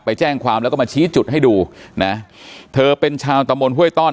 ไปแจ้งความแล้วก็มาชี้จุดให้ดูนะเธอเป็นชาวตะมนต์ห้วยต้อน